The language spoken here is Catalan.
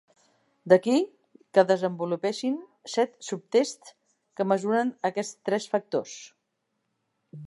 D'aquí que desenvolupessin set subtests que mesuren aquests tres factors.